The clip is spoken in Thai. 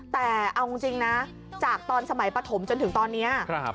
แต่เอาจริงนะจากตอนสมัยปฐมจนถึงตอนนี้